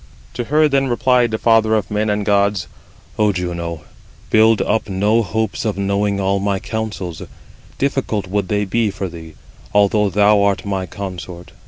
To her then replied the father of men and gods: "O Juno, build up no hopes of knowing all my counsels; difficult would they be for thee, although thou art my consort.